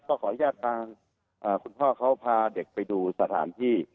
ก็ขออนุญาตทางคุณพ่อเขาพาเด็กไปดูสถานที่